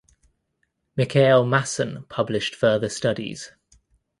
Mikhail Masson published further studies.